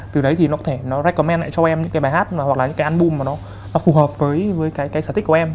từ đấy thì nó có thể nó recomen lại cho em những cái bài hát hoặc là những cái album mà nó phù hợp với cái sở thích của em